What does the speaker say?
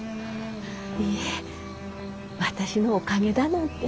いえ私のおかげだなんて。